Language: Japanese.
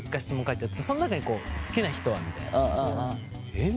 「えっ？」